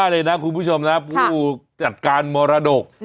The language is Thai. อ่ะสรุปง่ายเลยนะคุณผู้ชมนะครับผู้จัดการมรดก